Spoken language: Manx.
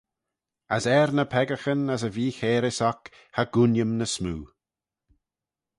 As er ny peccaghyn as y vee-chairys oc cha gooin-ym ny smoo.